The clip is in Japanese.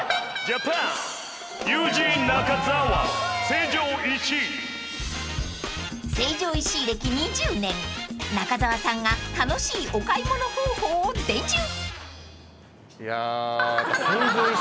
［成城石井歴２０年中澤さんが楽しいお買い物方法を伝授］